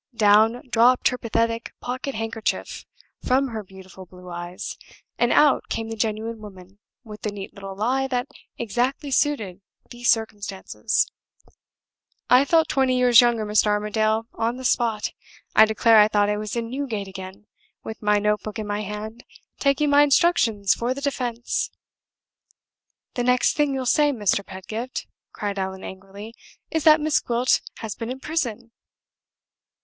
Down dropped her pathetic pocket handkerchief from her beautiful blue eyes, and out came the genuine woman with the neat little lie that exactly suited the circumstances! I felt twenty years younger, Mr. Armadale, on the spot. I declare I thought I was in Newgate again, with my note book in my hand, taking my instructions for the defense!" "The next thing you'll say, Mr. Pedgift," cried Allan, angrily, "is that Miss Gwilt has been in prison!"